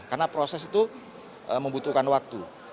karena proses itu membutuhkan waktu